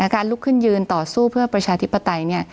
การลุกขึ้นยืนต่อสู้เพื่อประชาธิปไตย